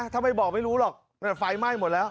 ถ้าไม่บอกไม่รู้หรอกนั่นไฟไหม้หมดแล้ว